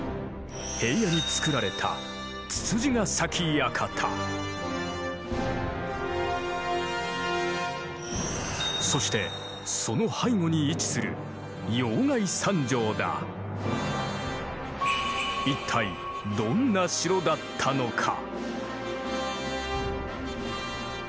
平野に造られたそしてその背後に位置する一体どんな城だったのか？